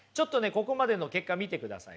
ここまでの結果見てください。